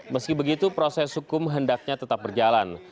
meski begitu proses hukum hendaknya tetap berjalan